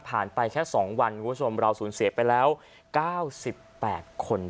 ไปแค่๒วันคุณผู้ชมเราสูญเสียไปแล้ว๙๘คน